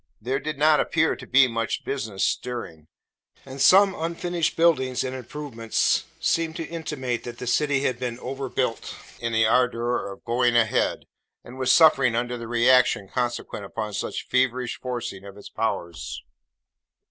There did not appear to be much business stirring; and some unfinished buildings and improvements seemed to intimate that the city had been overbuilt in the ardour of 'going a head,' and was suffering under the re action consequent upon such feverish forcing of its powers.